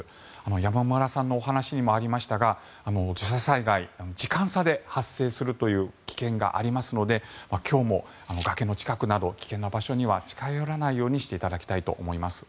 山村さんのお話にもありましたが土砂災害は時間差で発生するという危険性がありますので今日も崖の近くなど危険な場所には近寄らないようにしていただきたいと思います。